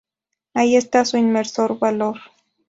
Ahí está su inmenso valor.